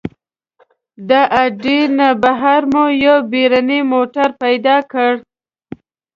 د اډې نه بهر مو یو بېړنی موټر پیدا کړ.